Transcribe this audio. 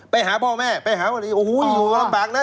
ไปหาพ่อแม่อ๋ออยู่ลำบากนะ